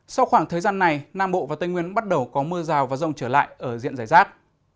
sau khoảng thời gian này nam bộ và tây nguyên bắt đầu có mưa rào và rông trở lại ở diện giải rác